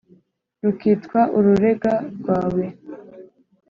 rukitwa ururega rwawe.